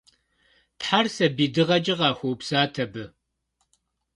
Тхьэр сабий дыгъэкӏэ къахуэупсат абы.